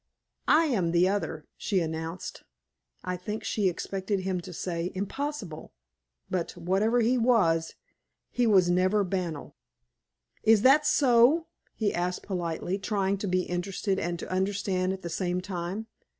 "I am the other," she announced. I think she expected him to say "Impossible," but, whatever he was, he was never banal. "Is that so?" he asked politely, trying to be interested and to understand at the same time.